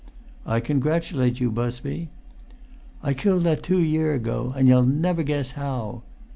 "I congratulate you, Busby." "I killed that two year ago; and you'll never guess how!"